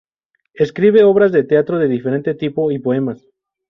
Escribe obras de teatro de diferente tipo y poemas.